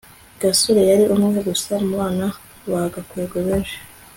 gasore yari umwe gusa mubana ba gakwego benshi